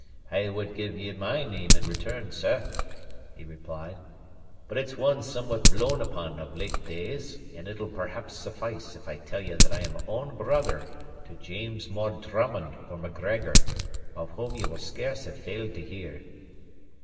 "I would give ye my name in return, sir," he replied, "but it's one somewhat blown upon of late days; and it'll perhaps suffice if I tell ye that I am own brother to James More Drummond or Macgregor, of whom ye will scarce have failed to hear."